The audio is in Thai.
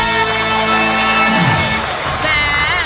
สองเท่าครับเพลงที่สี่มีมูลค่าสี่หมื่นบาท